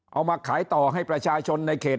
เอามาขายต่อให้ประชาชนในเขต